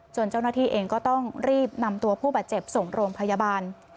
เจ้าหน้าที่เองก็ต้องรีบนำตัวผู้บาดเจ็บส่งโรงพยาบาล